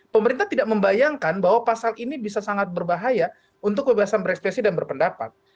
pemerintah tidak membayangkan bahwa pasal ini bisa sangat berbahaya untuk kebebasan berekspresi dan berpendapat